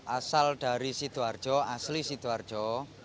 asal dari situarjo asli situarjo